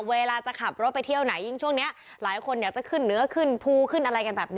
เวลาจะขับรถไปเที่ยวไหนยิ่งช่วงนี้หลายคนอยากจะขึ้นเนื้อขึ้นภูขึ้นอะไรกันแบบนี้